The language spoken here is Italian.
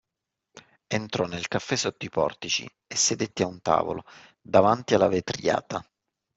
Entrò nel caffè sotto i portici e sedette a un tavolo, davanti alla vetriata.